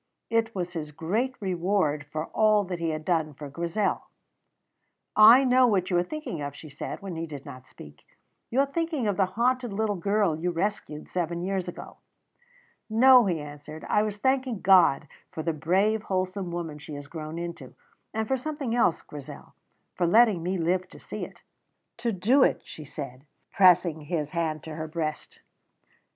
It was his great reward for all that he had done for Grizel. "I know what you are thinking of," she said, when he did not speak. "You are thinking of the haunted little girl you rescued seven years ago." "No," he answered; "I was thanking God for the brave, wholesome woman she has grown into; and for something else, Grizel for letting me live to see it." "To do it," she said, pressing his hand to her breast.